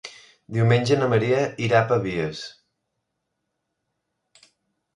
Diumenge na Maria irà a Pavies.